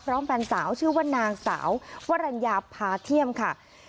พร้อมแฟนสาวชื่อว่านางสาววรรณยาพาธียมค่ะ